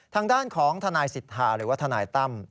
ทางด้านของทนายสิทธาหรือว่าทนายตั้ม